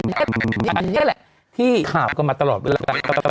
อันนี้แหละที่ข่าวกันมาตลอดเวลา